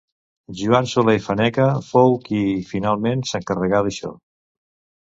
Joan Soler i Faneca fou qui, finalment, s'encarregà d'això.